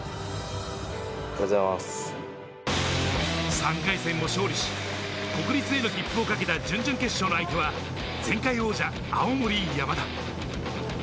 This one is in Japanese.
３回戦を勝利し、国立への切符を懸けた準々決勝の相手は前回王者・青森山田。